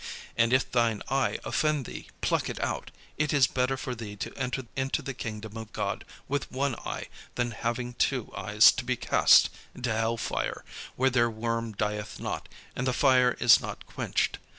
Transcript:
And if thine eye offend thee, pluck it out: it is better for thee to enter into the kingdom of God with one eye, than having two eyes to be cast into hell fire: where their worm dieth not, and the fire is not quenched.